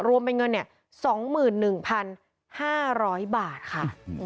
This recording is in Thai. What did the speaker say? รวมเป็นเงิน๒๑๕๐๐บาทค่ะ